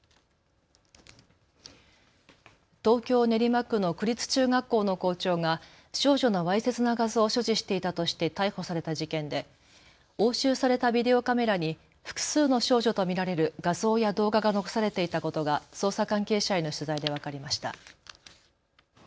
東京練馬区の区立中学校の校長が少女のわいせつな画像を所持していたとして逮捕された事件で押収されたビデオカメラに複数の少女と見られる画像や動画が残されていたことが捜査関係者への取材で分かりました。